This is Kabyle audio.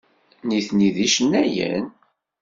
Nitni d icennayen?